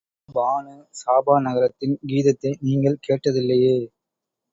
பானு சாபா நகரத்தின் கீதத்தை நீங்கள் கேட்டதில்லையே?